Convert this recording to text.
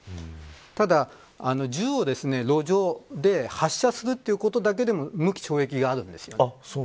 ただ、銃を路上で発射するということだけでも無期懲役があるんです。